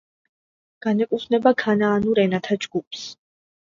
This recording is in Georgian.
განეკუთვნება ქანაანურ ენათა ჯგუფს.